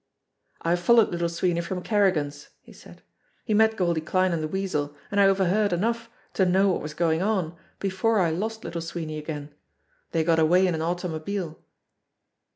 "I followed Little Sweeney from Kerrigan's," he said. "He met Goldie Kline and the Weasel, and I overheard enough to know what was going on before I lost Little Sweeney again. They got away in an automobile."